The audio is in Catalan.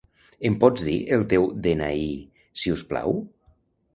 Em pots dir el teu de-ena-i, si us plau?